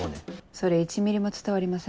それ１ミリも伝わりません。